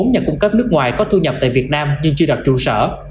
sáu mươi bốn nhà cung cấp nước ngoài có thu nhập tại việt nam nhưng chưa đặt trụ sở